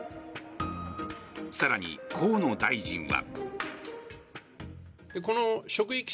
更に、河野大臣は。